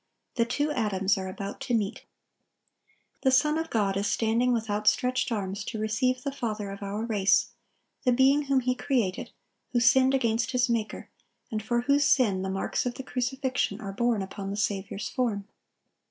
The two Adams are about to meet. The Son of God is standing with outstretched arms to receive the father of our race,—the being whom He created, who sinned against his Maker, and for whose sin the marks of the crucifixion are borne upon the Saviour's form.